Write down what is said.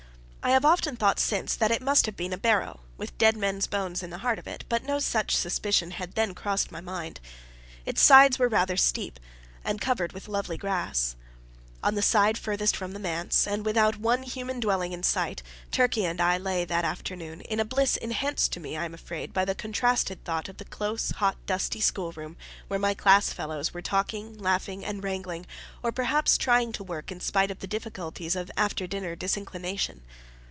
I have often thought since that it must have been a barrow, with dead men's bones in the heart of it, but no such suspicion had then crossed my mind. Its sides were rather steep, and covered with lovely grass. On the side farthest from the manse, and without one human dwelling in sight, Turkey and I lay that afternoon, in a bliss enhanced to me, I am afraid, by the contrasted thought of the close, hot, dusty schoolroom, where my class fellows were talking, laughing, and wrangling, or perhaps trying to work in spite of the difficulties of after dinner disinclination.